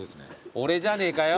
俺じゃねえかよ！